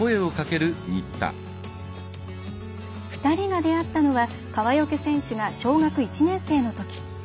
２人が出会ったのは川除選手が小学１年生のとき。